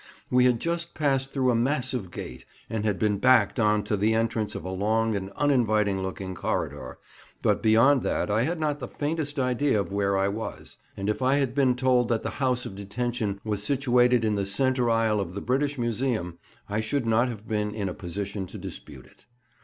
We had just passed through a massive gate, and had been "backed" on to the entrance of a long and uninviting looking corridor, but beyond that I had not the faintest idea of where I was; and if I had been told that the House of Detention was situated in the centre aisle of the British Museum, I should not have been in a position to dispute it.